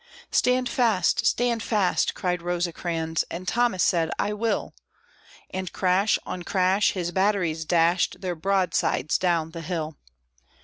"Stand fast, stand fast!" cried Rosecrans; and Thomas said, "I will!" And, crash on crash, his batteries dashed their broadsides down the hill.